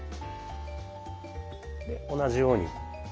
で同じように。